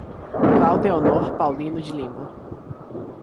Claudeonor Paulino de Lima